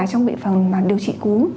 trong bệ phòng điều trị cúm